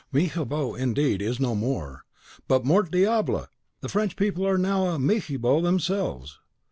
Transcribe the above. Mirabeau, indeed, is no more; but, mort Diable! the French people are now a Mirabeau themselves."